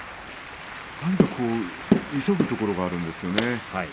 何か急ぐところがあるんですよね。